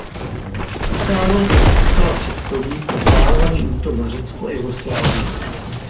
Itálie tak získala předpolí pro plánovaný útok na Řecko a Jugoslávii.